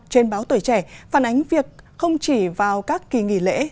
trên báo tuổi trẻ phản ánh việc không chỉ vào các kỳ nghỉ lễ